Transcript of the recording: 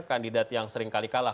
kandidat yang sering kali kalah